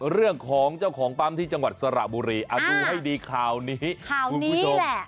เรื่องของเจ้าของปั๊มที่จังหวัดสระบุรีดูให้ดีข่าวนี้คุณผู้ชม